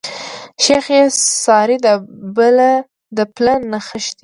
شيخ ئې څاري د پله نخښي